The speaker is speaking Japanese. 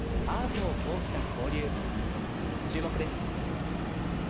アートを通した交流。